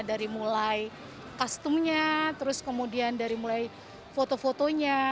dari mulai kostumnya terus kemudian dari mulai foto fotonya